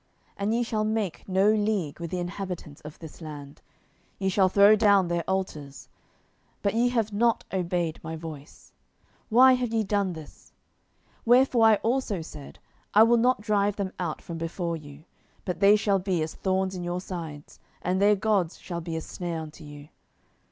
07:002:002 And ye shall make no league with the inhabitants of this land; ye shall throw down their altars: but ye have not obeyed my voice: why have ye done this? 07:002:003 Wherefore I also said, I will not drive them out from before you; but they shall be as thorns in your sides, and their gods shall be a snare unto you.